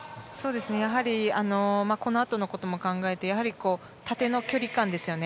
やはりこのあとのことも考えて縦の距離感ですよね。